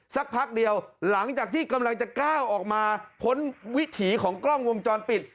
สักพักเดียวหลังจากที่กำลังจะก้าวออกมาพ้นวิถีของกล้องวงจรปิด